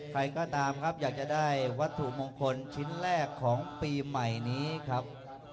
ใครก็ตามครับอยากจะได้วัตถุมงคลชิ้นแรกของปีใหม่นี้ครับ